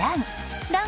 ラン！